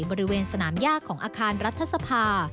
บริเวณสนามยากของอาคารรัฐสภา